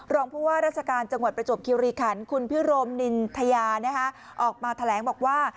รองผู้ว่าราชการจังหวัดประจวบคิวรีคันคุณพิโรมนินทยาออกมาแถลงบอกว่า